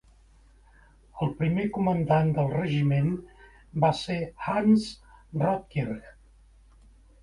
El primer comandant del regiment va ser Hans Rotkirch.